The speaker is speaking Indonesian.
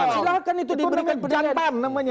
silahkan itu diberikan penilaian